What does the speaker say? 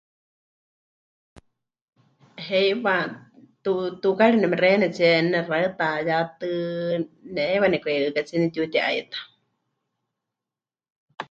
Heiwa tu... tukaari nemexeiyanitsie nexaɨta, ya tɨ ne... heiwa nemɨka'ihɨkatsie nepɨtiuti'aita.